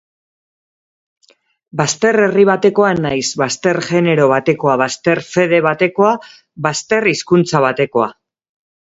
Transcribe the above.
Bazter herri batekoa naiz, bazter genero batekoa, bazter fede batekoa, bazter hizkuntza batekoa.